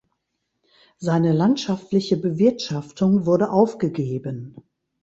Seine landschaftliche Bewirtschaftung wurde aufgegeben.